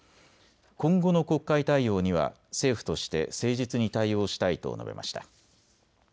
今後の国会対応には政府として誠実に対応したいと述べました。